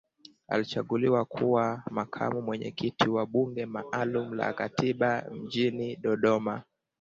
Alichaguliwa kuwa makamu mwenyekiti wa Bunge maalum la Katiba mjini Dodoma